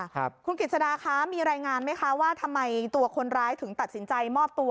คุณกิจสดาคะมีรายงานไหมคะว่าทำไมตัวคนร้ายถึงตัดสินใจมอบตัว